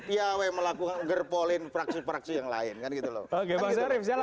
piawe melakukan gerpolin fraksi fraksi yang lain kan gitu loh